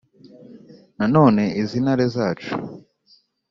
na none izi ntare zacu